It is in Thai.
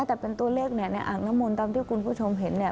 แต่เป็นตัวเลขเนี่ยในอ่างน้ำมนต์ตามที่คุณผู้ชมเห็นเนี่ย